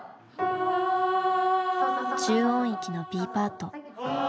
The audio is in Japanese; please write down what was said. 中音域のＢパート。